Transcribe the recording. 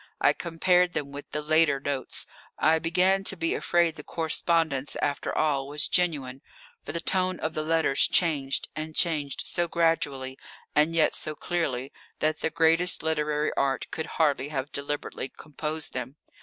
I compared them with the later notes. I began to be afraid the correspondence, after all, was genuine, for the tone of the letters changed and changed so gradually, and yet so clearly, that the greatest literary art could hardly have deliberately composed them.